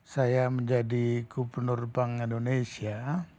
saya menjadi gubernur bank indonesia